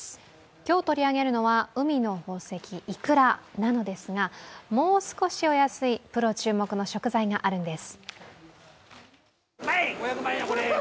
今日、取り上げるのは海の宝石、イクラなのですが、もう少しお安いプロ注目の食材があるんです。